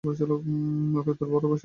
ওকে তোর ভরসায় রেখে গিয়েছিলাম।